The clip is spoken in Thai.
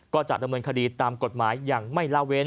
ก็จะดำเนินคดีตามกฎหมายอย่างไม่ละเว้น